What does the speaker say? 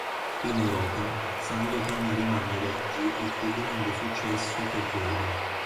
In Europa, Sandokan rimane ad oggi il più grande successo per Bedi.